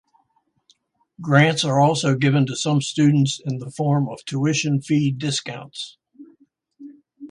Grants are also given to some students in the form of tuition fee discounts.